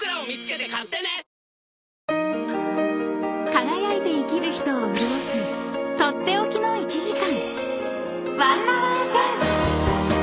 ［輝いて生きる人を潤す取って置きの１時間］